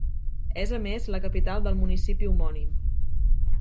És a més la capital del municipi homònim.